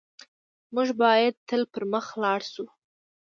موږ بايد تل پر مخ لاړ شو.